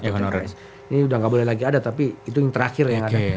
ini udah nggak boleh lagi ada tapi itu yang terakhir yang ada